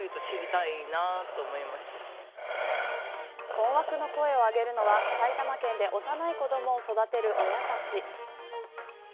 困惑の声を上げるのは埼玉県で幼い子どもを育てる親たち。